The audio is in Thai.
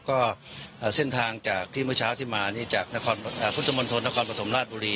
ก็เส้นทางจากที่เมื่อเช้าที่มานี่จากพุทธมณฑลนครปฐมราชบุรี